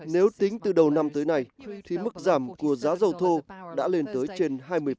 nếu tính từ đầu năm tới nay thì mức giảm của giá dầu thô đã lên tới trên hai mươi